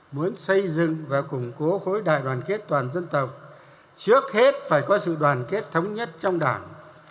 muốn xây dựng và củng cố khối đại đoàn kết toàn dân tộc trước hết phải có sự đoàn kết thống nhất trong đảng